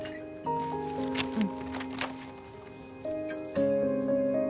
うん。